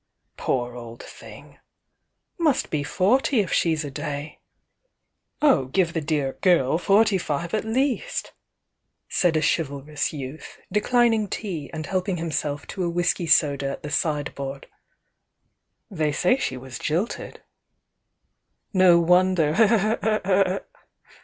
"Poor old thing!" "Must be forty if she's a day!" "Oh, give the dear 'girl' forty five at least!" said 44 THE YOUNG DIANA 45 a Chivalrous Youth, declining tea, and helping him self to a whisky soda at the side board. "They say she was jilted." "No wonder!"